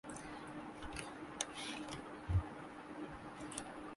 Karachi Pak West Indies series کیلئے foolproof security plan تیار